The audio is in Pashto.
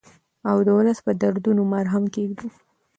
او د ولس په دردونو مرهم کېږدو.